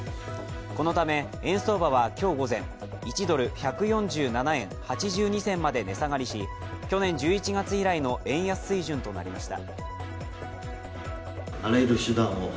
このため、円相場は今日午前１ドル＝１４７円８２銭まで値下がりし去年１１月以来の円安水準となりました。